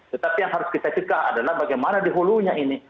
tetapi yang harus kita cek adalah bagaimana diholunya ini